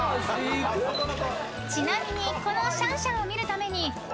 ［ちなみにこのシャンシャンを見るために］